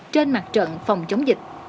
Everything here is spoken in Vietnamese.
trên mặt trận phòng chống dịch